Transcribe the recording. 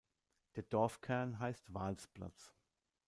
Der Dorfkern heisst "Vals-Platz".